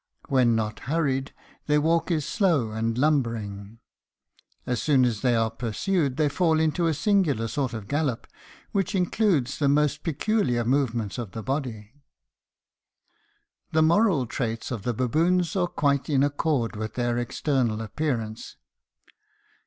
When not hurried their walk is slow and lumbering; as soon as they are pursued, they fall into a singular sort of gallop, which includes the most peculiar movements of the body. The moral traits of the baboons are quite in accord with their external appearance.